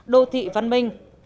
đô thị văn minh